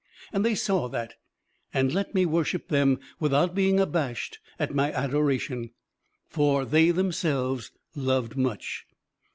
And they saw that and let me worship them without being abashed at my adoration, for they themselves loved much.